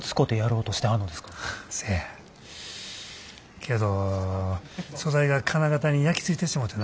けど素材が金型に焼き付いてしもてな。